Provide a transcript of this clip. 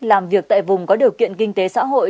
làm việc tại vùng có điều kiện kinh tế xã hội